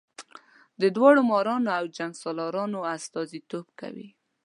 د داړه مارانو او جنګ سالارانو استازي توب کوي.